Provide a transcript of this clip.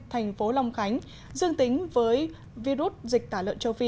thành phố long khánh dương tính với virus dịch tả lợn châu phi